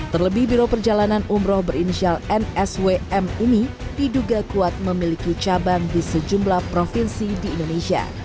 terlebih biro perjalanan umroh berinisial nswm ini diduga kuat memiliki cabang di sejumlah provinsi di indonesia